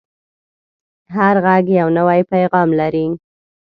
هر غږ یو نوی پیغام لري